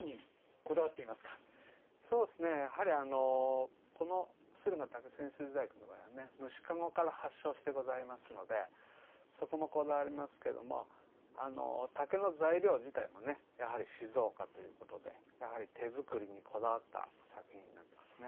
やはりこの駿河竹千筋細工の場合は虫篭から発祥してございますのでそこもこだわりますけども竹の材料自体もやはり静岡ということで手作りにこだわった作品になってますね。